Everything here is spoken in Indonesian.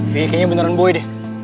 kayaknya beneran boy deh